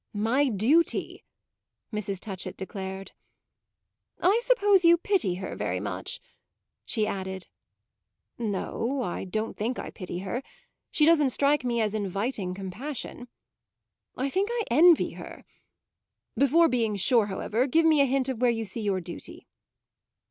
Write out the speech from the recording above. "My duty!" Mrs. Touchett declared. "I suppose you pity her very much," she added. "No, I don't think I pity her. She doesn't strike me as inviting compassion. I think I envy her. Before being sure, however, give me a hint of where you see your duty."